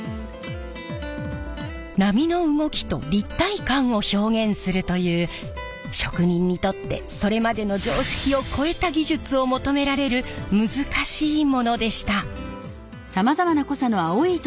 波の動きと立体感を表現するという職人にとってそれまでの常識を超えた技術を求められる難しいものでした。